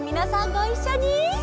ごいっしょに！